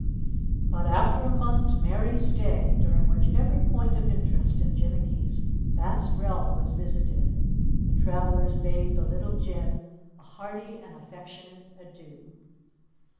But after a month's merry stay, during which every point of interest in Jinnicky's vast realm was visited, the travelers bade the little Jinn a hearty and affectionate adieu.